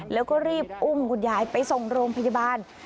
แล้วก็รีบอุ้มคุณยายไปส่งโรงพยาบาล